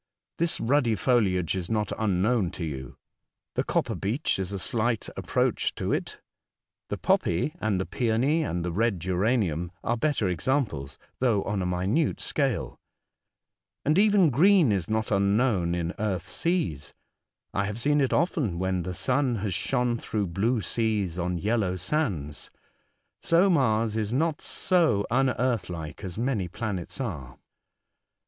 This ruddy foliage is not unknown to you. The copper beech is a slight approach to it, the poppy, and the peony, and the red geranium are better examples though on a minute scale. And even green is not unknown in earth seas. I have seen it often when the sun has shone through blue seas on yellow sands — so Mars is not so unearth like as many planets are.